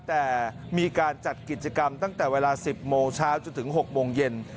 แต่มีการจัดกิจกรรมตั้งแต่เวลา๑๐โมงเช้าจนถึง๖โมงเย็น